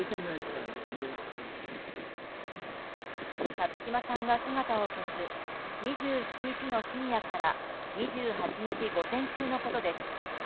辰島さんが姿を消す２７日の深夜から２８日、午前中のことです。